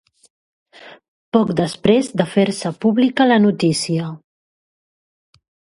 Poc després de fer-se pública la notícia.